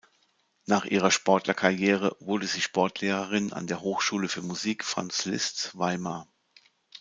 Nach ihrer Sportlerkarriere wurde sie Sportlehrerin an der Hochschule für Musik Franz Liszt Weimar.